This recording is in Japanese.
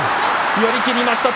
寄り切りました。